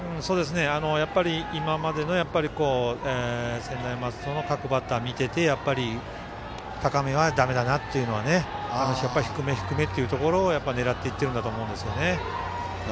やっぱり、今までの専大松戸の各バッター見てて高めはだめだなというのは低め低めというところを狙っていってるんだと思うんですよね。